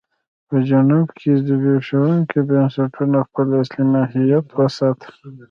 په جنوب کې زبېښونکو بنسټونو خپل اصلي ماهیت وساته.